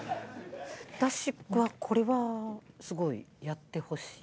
私はこれはすごいやってほしい。